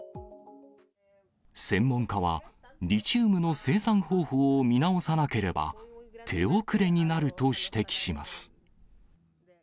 専門家は、リチウムの生産方法を見直さなければ、手遅れになると指摘します。